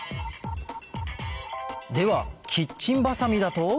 ではキッチンバサミだとお！